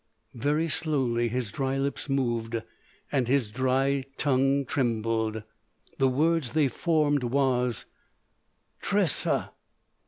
Very slowly his dry lips moved and his dry tongue trembled. The word they formed was, "Tressa!"